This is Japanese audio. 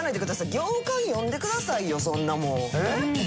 行間読んでくださいよそんなもん。